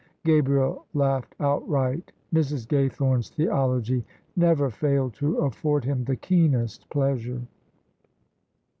" Gabriel laughed outright. Mrs. Gaythome's theology never failed to afiEord him the keenest pleasure.